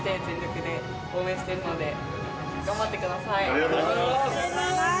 ありがとうございます！